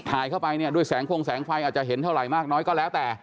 เข้าไปเนี่ยด้วยแสงฟงแสงไฟอาจจะเห็นเท่าไหร่มากน้อยก็แล้วแต่